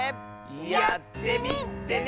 やってみてね！